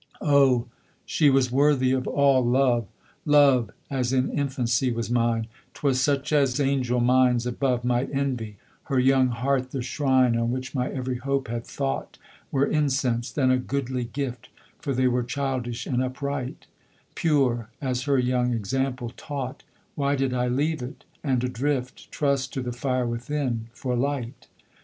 O, she was worthy of all love! Love as in infancy was mine 'Twas such as angel minds above Might envy; her young heart the shrine On which my every hope and thought Were incense then a goodly gift, For they were childish and upright Pure as her young example taught: Why did I leave it, and, adrift, Trust to the fire within, for light?